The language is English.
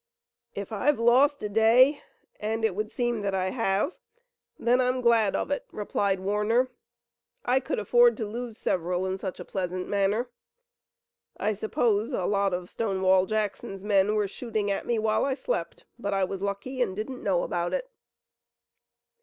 "If I've lost a day, and it would seem that I have, then I'm glad of it," replied Warner. "I could afford to lose several in such a pleasant manner. I suppose a lot of Stonewall Jackson's men were shooting at me while I slept, but I was lucky and didn't know about it."